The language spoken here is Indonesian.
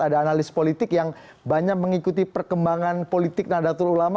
ada analis politik yang banyak mengikuti perkembangan politik nadatul ulama